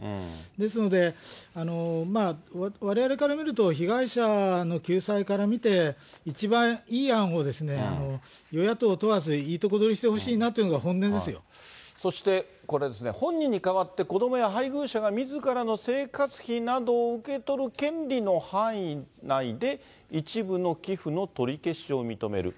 ですので、われわれから見ると、被害者の救済から見て、一番いい案を与野党問わずいいところ取りしてほしいなというのがそしてこれですね、本人に代わって子どもや配偶者がみずからの生活費などを受け取る範囲内で一部の寄付の取り消しを認める。